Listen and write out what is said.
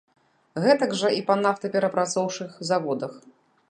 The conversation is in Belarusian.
Гэтак жа і па нафтаперапрацоўчых заводах.